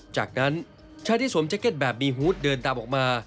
จากนั้นชายที่สวมแจ็ตแบบบีฮูตเดินตามออกมา